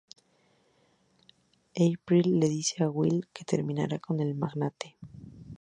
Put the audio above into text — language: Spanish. April le dice a Will que terminará con el magnate.